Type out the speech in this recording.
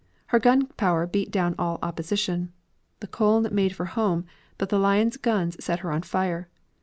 Her gun power beat down all opposition. The Koln made for home, but the Lion's guns set her on fire.